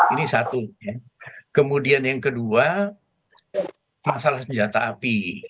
ini satu kemudian yang kedua masalah senjata api